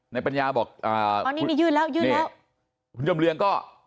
นายปัญญาบอกคุณจำเรียงก็